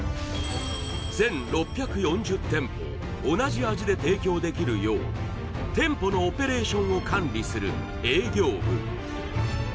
全６４０店舗同じ味で提供できるよう店舗のオペレーションを管理する営業部